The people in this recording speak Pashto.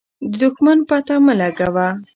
د دښمن پته مه لګوه.